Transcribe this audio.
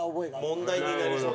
問題になりそう。